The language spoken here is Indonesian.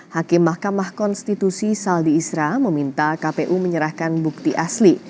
hakim mahkamah konstitusi saldi isra meminta kpu menyerahkan bukti asli